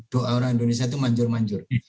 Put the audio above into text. doa orang indonesia itu manjur manjur